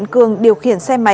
có điều kiện